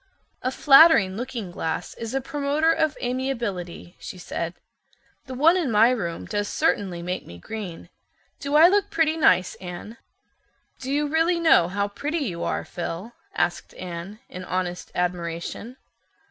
"A flattering looking glass is a promoter of amiability," she said. "The one in my room does certainly make me green. Do I look pretty nice, Anne?" "Do you really know how pretty you are, Phil?" asked Anne, in honest admiration.